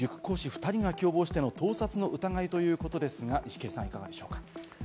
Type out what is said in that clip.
２人が共謀しての盗撮の疑いということですがイシケンさん、いかがでしょうか？